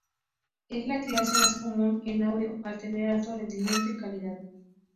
Es la clase más común en audio, al tener alto rendimiento y calidad.